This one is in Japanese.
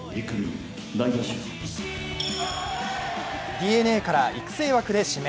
ＤｅＮＡから育成枠で指名。